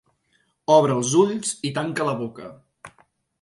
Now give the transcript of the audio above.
Obre els ulls i tanca la boca.